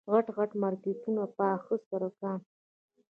غټ غټ مارکېټونه پاخه سړکان.